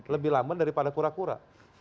lebih lamban daripada kura kura